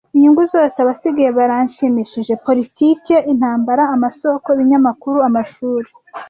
Inyungu zose abasigaye baranshimishije, politiki, intambara, amasoko, ibinyamakuru, amashuri,